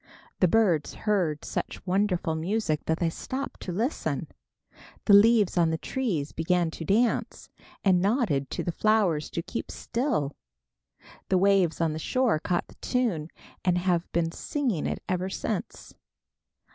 The birds heard such wonderful music that they stopped to listen. The leaves on the trees began to dance, and nodded to the flowers to keep still. The waves on the shore caught the tune and have been singing it ever since.